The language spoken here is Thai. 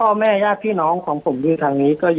พ่อแม่ย่างพี่น้องของผมทางดูย์ก็เยอะครับ